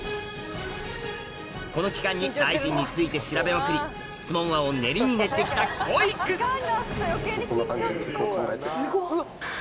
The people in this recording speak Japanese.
この期間に大臣について調べまくり質問案を練りに練ってきたこいくすごっ！